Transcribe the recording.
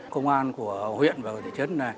công an của huyện và thị trấn